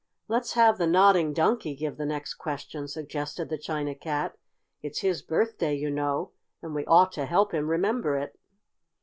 "Let's have the Nodding Donkey give the next question," suggested the China Cat. "It's his birthday, you know, and we ought to help him remember it."